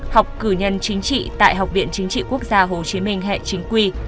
học cử nhân chính trị tại học viện chính trị quốc gia hồ chí minh hệ chính quy